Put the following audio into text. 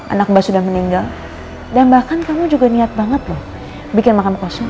anak mbah sudah meninggal dan bahkan kamu juga niat banget loh bikin makam kosong